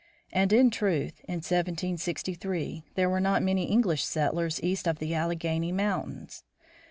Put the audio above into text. And, in truth, in 1763, there were not many English settlers east of the Alleghany Mountains.